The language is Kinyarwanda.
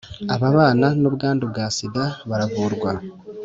ababana n ‘ubwandu bwa Sida baravurwa.